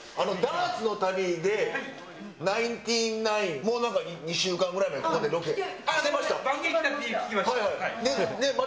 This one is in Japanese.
ダーツの旅で、ナインティナイン、２週間ぐらい前にここにロケ。来てました。